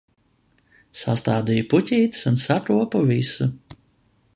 Sastādīju puķītes un sakopu visu.